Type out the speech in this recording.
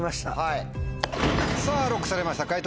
さぁＬＯＣＫされました解答